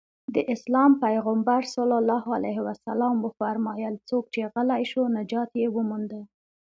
د اسلام پيغمبر ص وفرمايل څوک چې غلی شو نجات يې ومونده.